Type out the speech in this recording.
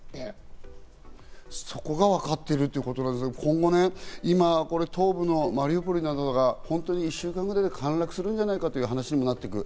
そこが分かってるということですが今後、今、東部のマリウポリなどが１週間ぐらいで陥落するんじゃないかという話にもなっている。